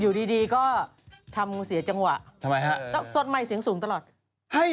อยู่ดีก็ทำเสียจังหวะสดใหม่เสียงสูงตลอดทำไมครับ